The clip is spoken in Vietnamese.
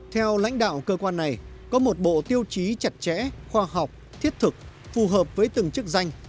theo lãnh đạo cơ quan này có một bộ tiêu chí chặt chẽ khoa học thiết thực phù hợp với từng chức danh